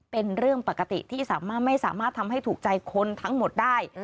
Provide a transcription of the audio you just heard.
เป็นเรื่องปกติที่สามารถไม่สามารถทำให้ถูกใจคนทั้งหมดได้